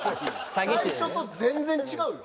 最初と全然違うよ。